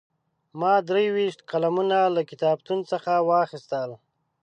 ما درې ویشت قلمونه له کتابتون څخه واخیستل.